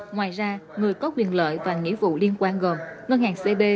ngoài ra người có quyền lợi và nghĩa vụ liên quan gồm ngân hàng cb